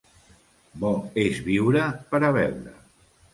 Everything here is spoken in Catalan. Bo és viure per a veure.